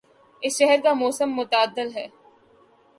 اس شہر کا موسم معتدل ہے